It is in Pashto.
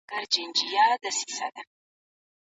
صدقه د مال ساتونکې ده.